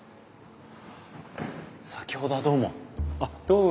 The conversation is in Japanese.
先ほどはどうも。